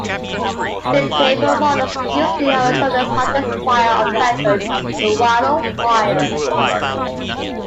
SimTable Models were used in Arizona's largest fire on record, the Wallow Fire.